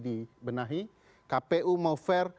dibenahi kpu mau fair